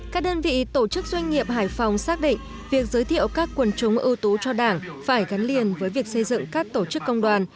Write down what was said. các đơn vị tổ chức doanh nghiệp hải phòng xác định việc giới thiệu các quần chúng ưu tú cho đảng phải gắn liền với việc xây dựng các tổ chức công đoàn